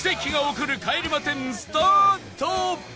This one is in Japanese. スタート！